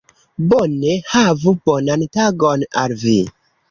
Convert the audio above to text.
Bone, havu bonan tagon al vi